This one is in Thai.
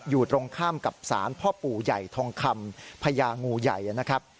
อยู่ตรงข้ามกับสารพ่อปู่ใหญ่ทองคำพญางูใหญ่นะครับ